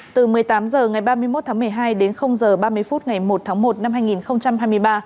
từ một mươi tám h ngày ba mươi một tháng một mươi hai đến h ba mươi phút ngày một tháng một năm hai nghìn hai mươi ba